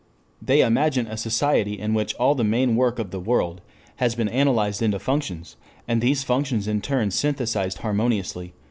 They imagine a society in which all the main work of the world has been analysed into functions, and these functions in turn synthesized harmoniously.